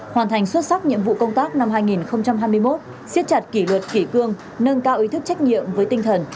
hoàn thành xuất sắc nhiệm vụ công tác năm hai nghìn hai mươi một siết chặt kỷ luật kỷ cương nâng cao ý thức trách nhiệm với tinh thần